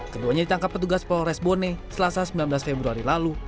keduanya ditangkap petugas polres bone selasa sembilan belas februari lalu